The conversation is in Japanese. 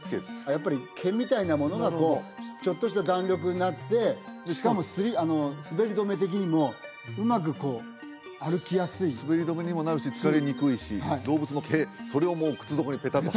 やっぱり毛みたいなものがこうちょっとした弾力になってしかも滑り止め的にもうまくこう歩きやすい滑り止めにもなるし疲れにくいし動物の毛それをもう靴底にペタッと貼った？